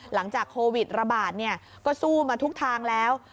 หลังจากโควิดระบาดก็สู้มาทุกทางแล้ว